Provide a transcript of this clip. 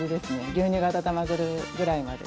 牛乳が温まるぐらいまで。